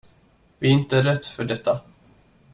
Vi är inte rätt för detta.